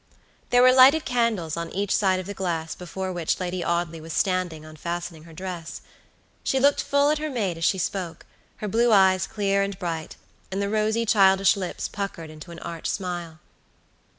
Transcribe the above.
There were lighted candles on each side of the glass before which Lady Audley was standing unfastening her dress. She looked full at her maid as she spoke, her blue eyes clear and bright, and the rosy childish lips puckered into an arch smile.